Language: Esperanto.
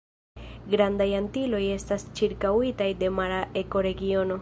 Grandaj Antiloj estas ĉirkaŭitaj de mara ekoregiono.